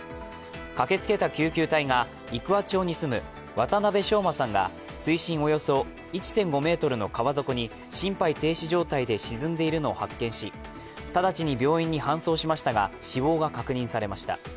駆けつけた救急隊が生桑町に住む渡邉翔真さんが水深およそ１．５ｍの川底に心肺停止状態で沈んでいるのを発見し、ただちに病院に搬送しましたが死亡が確認されました。